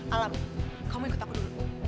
alam kamu ikut aku dulu